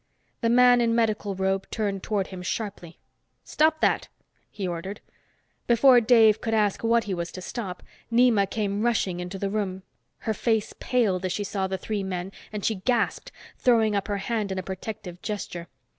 The man in medical robe turned toward him sharply. "Stop that!" he ordered. Before Dave could ask what he was to stop, Nema came rushing into the room. Her face paled as she saw the three men, and she gasped, throwing up her hand in a protective gesture.